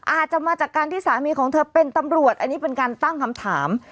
อาจจะมาจากการที่สามีของเธอเป็นตำรวจอันนี้เป็นการตั้งคำถาม